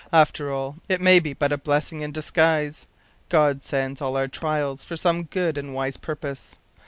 “After all, it may be but a blessing in disguise. God sends all our trials for some good and wise purpose.